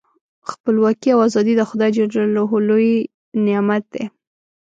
خپلواکي او ازادي د خدای ج یو لوی نعمت دی.